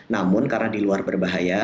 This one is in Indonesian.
namun karena di luar berbahaya